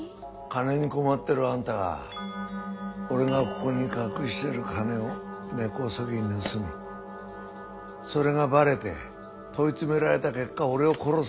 金に困ってるあんたが俺がここに隠してる金を根こそぎ盗みそれがばれて問い詰められた結果俺を殺す。